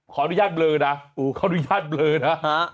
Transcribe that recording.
ขออนุญาตบลล่ะขออนุญาตบลล่ะ